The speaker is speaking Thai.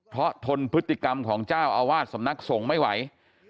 เพราะทนพฤติกรรมของเจ้าอาวาสสำนักสงฆ์ไม่ไหว